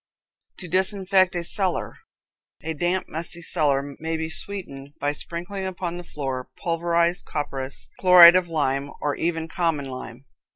To Disinfect a Cellar. A damp, musty cellar may be sweetened by sprinkling upon the floor pulverized copperas, chloride of lime, or even common lime.